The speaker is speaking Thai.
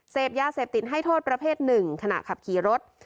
เสพยาเสพติดให้โทษประเภทหนึ่งขณะขับขี่รถ